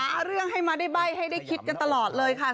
หาเรื่องให้มาได้ใบ้ให้ได้คิดกันตลอดเลยค่ะ